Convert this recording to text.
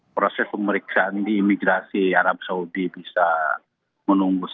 proses pemeriksaan di imigrasi arab saudi bisa berjalan dengan baik